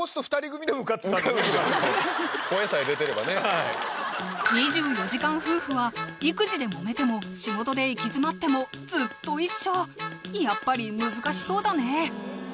いう２４時間夫婦は育児でもめても仕事で行き詰まってもずっと一緒やっぱり難しそうだね